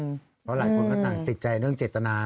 เพราะหลายคนก็ต่างติดใจเรื่องเจตนา